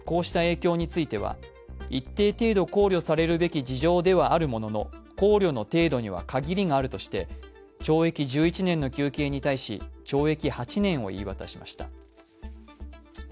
そのうえでこうした影響については一定程度考慮するべきで事情であるものの考慮の程度には限りがあるとして、懲役１１年の求刑に対し、懲役８年を言い渡しました。